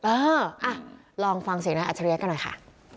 อ่าลองฟังเสียงนั้นอัจฉริยะก็หน่อยค่ะ